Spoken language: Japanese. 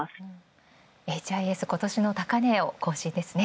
ＨＩＳ今年の高値を更新ですね。